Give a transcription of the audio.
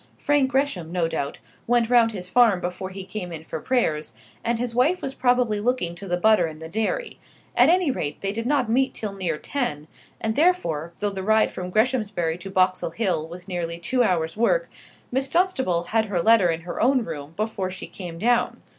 Frank Gresham, no doubt, went round his farm before he came in for prayers, and his wife was probably looking to the butter in the dairy. At any rate, they did not meet till near ten, and therefore, though the ride from Greshamsbury to Boxall Hill was nearly two hours' work, Miss Dunstable had her letter in her own room before she came down.